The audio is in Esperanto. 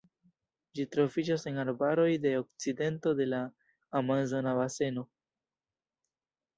Ĝi troviĝas en arbaroj de okcidento de la Amazona Baseno.